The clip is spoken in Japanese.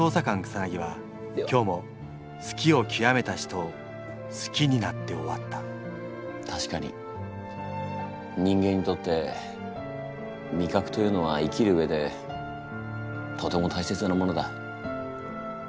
草は今日も好きをきわめた人を好きになって終わったたしかに人間にとって味覚というのは生きる上でとても大切なものだ。